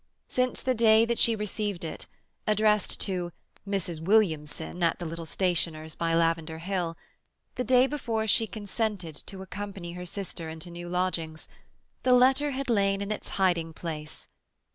Since the day that she received it—addressed to "Mrs. Williamson" at the little stationer's by Lavender Hill—the day before she consented to accompany her sister into new lodgings—the letter had lain in its hiding place.